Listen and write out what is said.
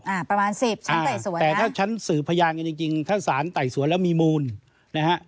อ่าประมาณสิบชั้นไต่สวนแต่ถ้าฉันสื่อพยานกันจริงจริงถ้าสารไต่สวนแล้วมีมูลนะฮะ